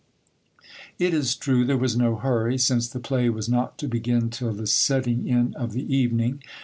It is true, there was no hurry, since the play was not to begin till the setting in of the evening.